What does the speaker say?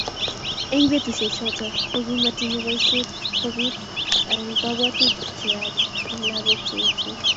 Eng betusiechoto kokimokotinyei boiset kobit anyun kabwatutik cheyach eng lagok che oechin